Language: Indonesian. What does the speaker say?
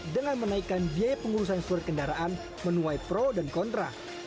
dengan menaikkan biaya pengurusan surat kendaraan menuai pro dan kontra